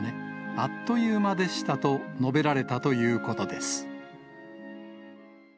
あっという間でしたと述べられたということです。